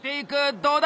どうだ？